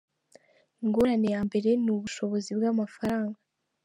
Ingorane ya mbere ni ubushobozi bw’amafaranga.